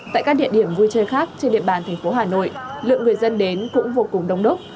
tại các địa điểm vui chơi khác trên địa bàn thành phố hà nội lượng người dân đến cũng vô cùng đông đúc